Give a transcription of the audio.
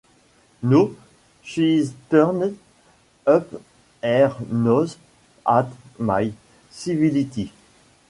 No, she turned up her nose at my civility.